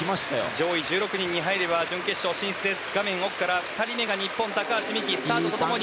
上位１６人に入れば準決勝進出です。